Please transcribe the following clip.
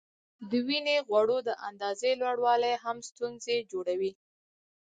د وینې غوړو د اندازې لوړوالی هم ستونزې جوړوي.